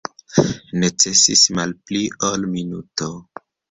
Necesis malpli ol minuto